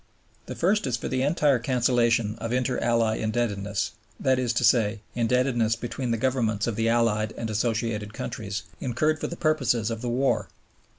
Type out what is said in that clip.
The first is for the entire cancellation of Inter Ally indebtedness (that is to say, indebtedness between the Governments of the Allied and Associated countries) incurred for the purposes of the war.